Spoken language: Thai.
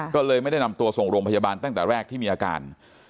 ก็เลยไม่ได้นำตัวส่งโรงพยาบาลตั้งแต่แรกที่มีอาการ